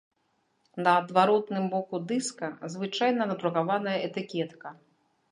На адваротным боку дыска звычайна надрукаваная этыкетка.